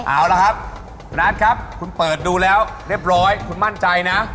เอาละครับคุณนัทครับคุณเปิดดูแล้วเรียบร้อยคุณมั่นใจนะ